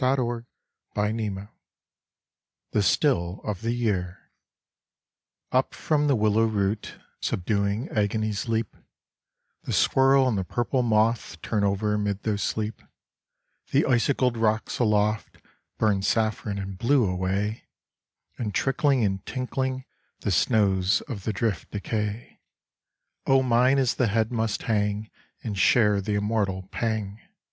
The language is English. The Still of the Year UP from the willow root Subduing agonies leap; The squirrel and the purple moth Turn over amid their sleep; The icicled rocks aloft Burn saffron and blue alway, And trickling and tinkling The snows of the drift decay. O mine is the head must hang And share the immortal pang!